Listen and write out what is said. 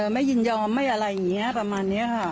ยินยอมไม่อะไรอย่างนี้ประมาณนี้ค่ะ